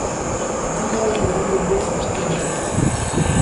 நான்காவது விடுதியொன்றை கட்டிக் கொண்டிருந்தனர்.